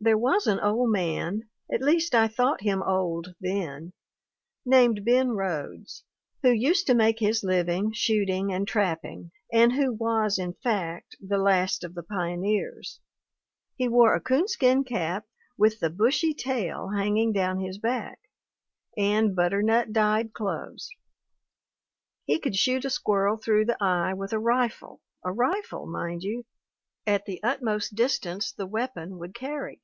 There was an old man at least I thought him old then named Ben Rhodes, who used to make his living shooting and trapping, and who was, in fact, the last of the pioneers. He wore a coon skin cap with the bushy tail hanging down his back ; and butternut dyed clothes. He could shoot a squirrel through the eye with a rifle a rifle f mind you ! at the utmost distance the weapon would carry.